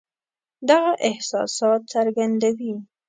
دغه احساسات څرګندوي.